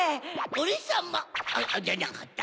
オレさまじゃなかった。